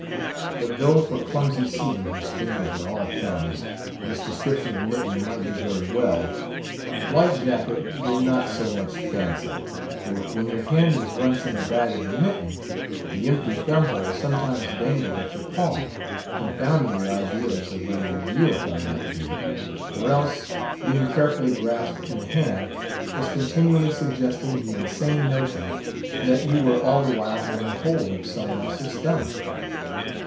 But though for clumsy seamen, whose fingers are all thumbs, this description of mitten might do very well, White Jacket did not so much fancy it. For when your hand was once in the bag of the mitten, the empty thumb hole sometimes dangled at your palm, confounding your ideas of where your real thumb might be; or else, being carefully grasped in the hand, was continually suggesting the insane notion, that you were all the while having hold of some one else's thumb.